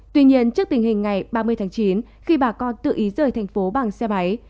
tuy nhiên trước tình hình ngày ba mươi tháng chín khi bà con tự ý rời thành phố bằng xe máy